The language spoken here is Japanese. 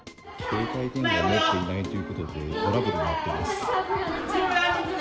携帯電話を持っていないということで、トラブルになっています。